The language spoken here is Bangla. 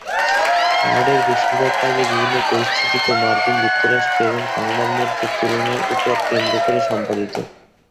কার্ডের বেশিরভাগ কাজই বিভিন্ন পরিস্থিতিতে মার্কিন যুক্তরাষ্ট্র এবং কানাডার মধ্যে তুলনার উপর কেন্দ্র করে সম্পাদিত।